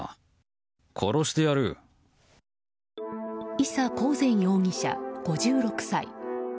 伊佐交善容疑者、５６歳。